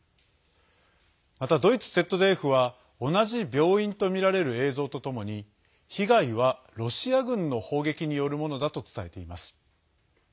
また、ドイツＺＤＦは同じ病院とみられる映像とともに被害はロシア軍の砲撃によるものだと伝えています。